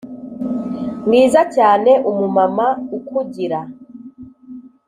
mwiza cyane umumama ukugira